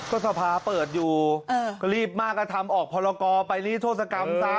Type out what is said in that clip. ก็สภาเปิดอยู่ก็รีบมากก็ทำออกพรกรไปรีทศกรรมซะ